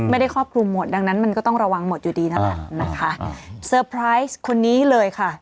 ไม่ได้ครอบครุมหมดดังนั้นมันก็ต้องระวังหมดอยู่ดีน่ะแหละนะคะค่ะคนนี้เลยค่ะ